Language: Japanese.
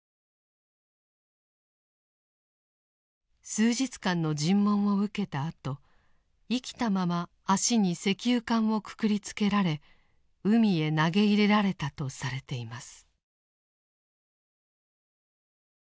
数日間の尋問を受けたあと生きたまま足に石油缶をくくりつけられ海へ投げ入れられたとされています。